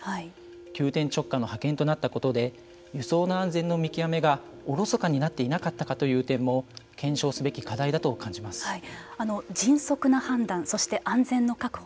急転直下の派遣となったことで輸送の安全の見極めがおろそかになっていなかったかという点も迅速な判断そして安全の確保。